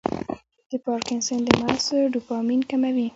د پارکنسن د مغز ډوپامین کموي.